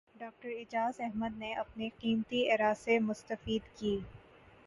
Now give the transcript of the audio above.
doctor Ijaz Ahmed نے اپنے قیمتی اراءسے مستفید کی